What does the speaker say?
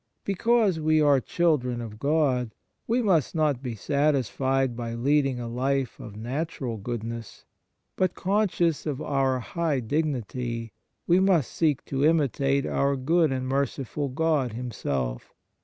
Because we are children of God, we must not be satisfied by leading a life of natural goodness; but, conscious of our high dignity, we must seek to imitate our good and merciful God Himself.